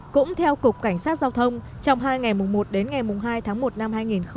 cũng theo cục cảnh sát giao thông trong hai ngày mùng một đến ngày hai tháng một năm hai nghìn hai mươi